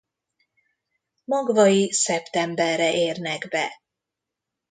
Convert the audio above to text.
Magvai szeptemberre érnek be.